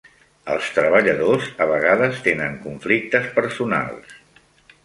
Els treballadors a vegades tenen conflictes personals.